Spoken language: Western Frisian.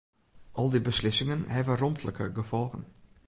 Al dy beslissingen hawwe romtlike gefolgen.